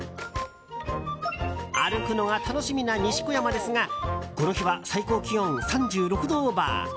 歩くのが楽しみな西小山ですがこの日は最高気温３６度オーバー。